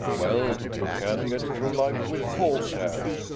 Well; you can get through life with false hair.